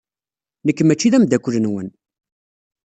Nekk mačči d ameddakel-nwen.